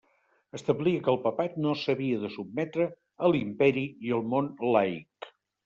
Establia que el Papat no s'havia de sotmetre a l'Imperi i al món laic.